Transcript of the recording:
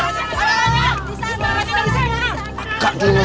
kakak dengar saya